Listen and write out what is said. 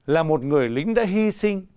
là một người lính đã hy sinh